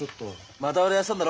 股割りやってたんだろ？